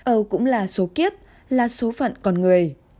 ờ cũng là số kiếp là số phận còn người